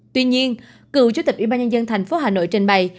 tuy nhiên cựu chủ tịch ủy ban nhân dân tp hà nội trên bày